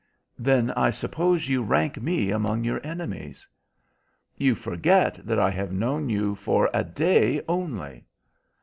"Then I suppose you rank me among your enemies?" "You forget that I have known you for a day only."